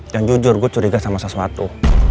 yang jujur gue curiga sama sesuatu